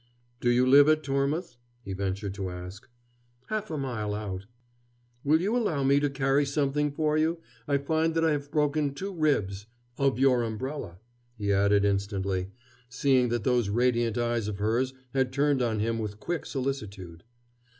"Do you live at Tormouth?" he ventured to ask. "Half a mile out." "Will you allow me to carry something for you? I find that I have broken two ribs of your umbrella," he added instantly, seeing that those radiant eyes of hers had turned on him with quick solicitude.